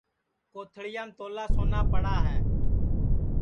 کوتھݪِیام تولا سونا پڑا ہے